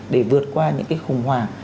để vượt qua những cái khủng hoảng